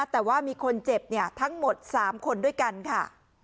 แต่ว่ามีคนเจ็บทั้งหมด๓คนด้วยกันค่ะ